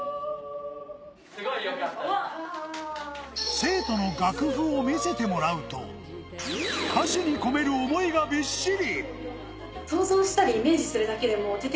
生徒の楽譜を見せてもらうと歌詞に込める想いがびっしり。